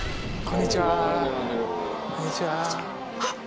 こんにちははっ